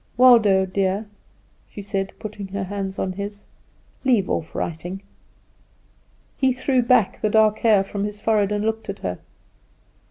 "Waldo, dear," she said, putting her hand on his, "leave off writing." He threw back the dark hair from his forehead and looked at her.